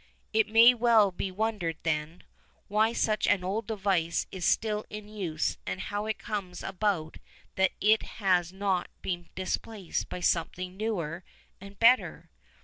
It may well be wondered, then, why such an old device is still in use and how it comes about that it has not been displaced by something newer and better.